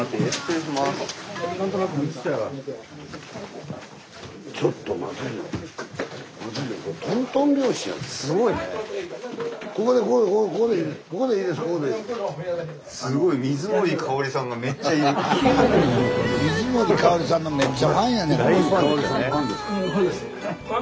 スタジオ水森かおりさんのめっちゃファンやねん